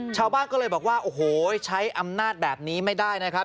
ชาวบ้านก็เลยบอกว่าโอ้โหใช้อำนาจแบบนี้ไม่ได้นะครับ